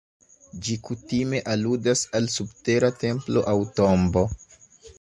Ĝi kutime aludas al subtera templo aŭ tombo.